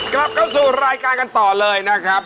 กลับเข้าสู่รายการกันต่อเลยนะครับ